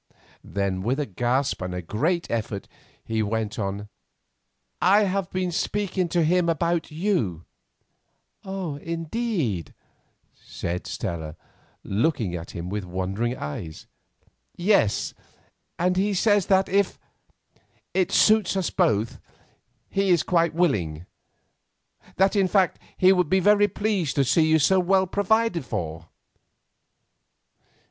Then, with a gasp and a great effort, he went on: "I have been speaking to him about you." "Indeed," said Stella, looking at him with wondering eyes. "Yes, and he says that if—it suits us both, he is quite willing; that, in fact, he would be very pleased to see you so well provided for."